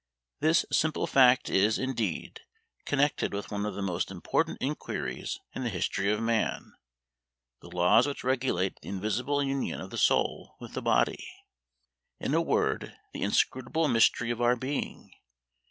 This simple fact is, indeed, connected with one of the most important inquiries in the history of man the laws which regulate the invisible union of the soul with the body: in a word, the inscrutable mystery of our being!